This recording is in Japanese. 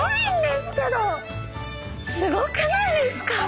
すごくないですか？